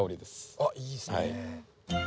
あっいいっすね。